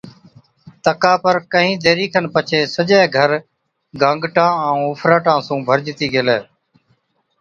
تڪا پر ڪهِين ديرِي کن پڇي سجَي گھر گانگٽان ائُون اُڦراٽان سُون ڀرجتِي گيلَي۔